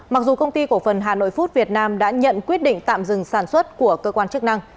mặc dù công ty cổ phần hà nội food việt nam đã nhận quyết định tạm dừng sản xuất của cơ quan chức năng